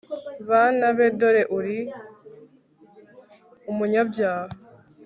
bana be, dore uri umunyabyaha